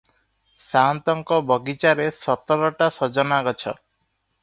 ସାଆନ୍ତଙ୍କ ବଗିଚାରେ ସତରଟା ସଜନାଗଛ ।